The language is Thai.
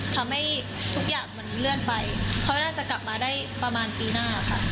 ทำให้ทุกอย่างมันเลื่อนไปเขาน่าจะกลับมาได้ประมาณปีหน้าค่ะ